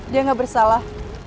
dia gak bersalah